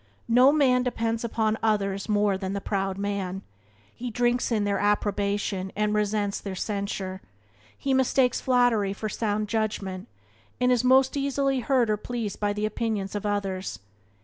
No man depends upon others more than the proud man. He drinks in their approbation and resents their censure. He mistakes flattery for sound judgment, and is most easily hurt or pleased by the opinions of others.